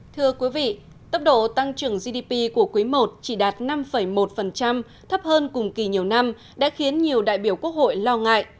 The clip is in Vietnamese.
thưa quý vị tốc độ tăng trưởng gdp của quý i chỉ đạt năm một thấp hơn cùng kỳ nhiều năm đã khiến nhiều đại biểu quốc hội lo ngại